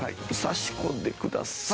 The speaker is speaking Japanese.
挿し込んでください。